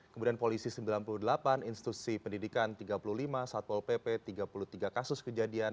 kemudian polisi sembilan puluh delapan institusi pendidikan tiga puluh lima satpol pp tiga puluh tiga kasus kejadian